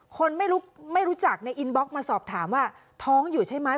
คนไม่รู้จักในอินบล็อกมาสอบถามว่าท้องอยู่ใช่ไหม